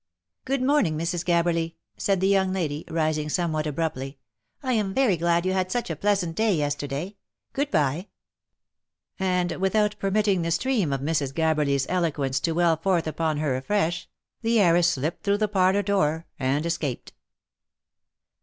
" Good morning, Mrs. Gabberly," said the young lady, rising some what abruptly ;" I am very glad you had such a pleasant day yesterday. Good bye." And without permitting the stream of Mrs. Gabberly's eloquence to well forth upon her afresh, the heiress slipped through the parlour door, and escaped.